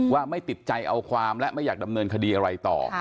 ว่าไม่ติดใจเอาความและไม่อยากดำเนินคดีอะไรต่อ